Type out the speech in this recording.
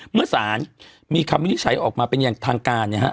เมื่อสานมีคำวิทย์ใช้ออกมาเป็นอย่างทางการเนี้ยฮะ